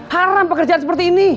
haram pekerjaan seperti ini